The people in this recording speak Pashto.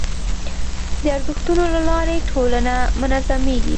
د ارزښتونو له لارې ټولنه منظمېږي.